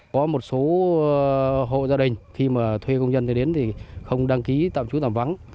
có một số hộ gia đình khi mà thuê công dân tới đến thì không đăng ký tạm chú tạm vắng